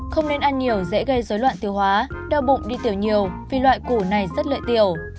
không nên ăn nhiều dễ gây dối loạn tiêu hóa đau bụng đi tiểu nhiều vì loại củ này rất lợi tiểu